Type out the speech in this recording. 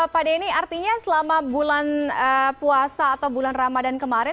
pak denny artinya selama bulan puasa atau bulan ramadan kemarin